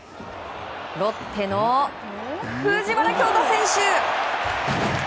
ロッテの藤原恭大選手。